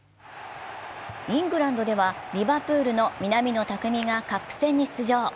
イングランドではリヴァプールの南野拓実がカップ戦に出場。